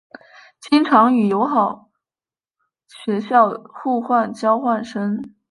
经常与友好学校互换交换生。